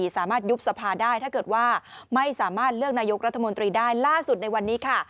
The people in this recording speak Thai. สามารถยุบสภาได้ถ้าเกิดว่าไม่สามารถเลือกนายกรัฐมนตรีได้